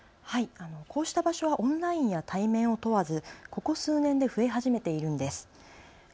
こうした場所はオンラインや対面を問わず、ここ数年で増え始めているんです。